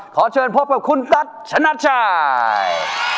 ขอเจอพบกับคุณตั๊ฏชนะช่าย